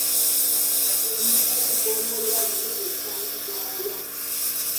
Embuga y'eggomolola lino esangibwa wa?